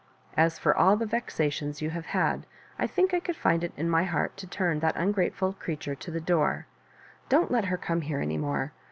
As for all the vexations you have had, I think I could find it in my heart to turn that ungrateful creature to the door. Don't let her come here any more.